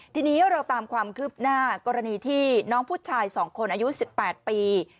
ทีนี้เราตามความคืบหน้ากรณีที่น้องผู้ชาย๒คนอายุ๑๘ปี